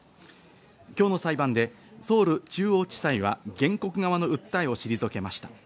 今日の裁判でソウル中央地裁は、原告側の訴えを退けました。